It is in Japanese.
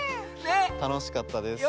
たのしかったです。